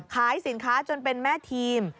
ขายสินค้าจนเป็นแม่ทีม